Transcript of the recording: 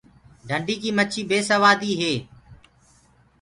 ڍنڊي ڪي مڇيٚ بي سوآديٚ هي۔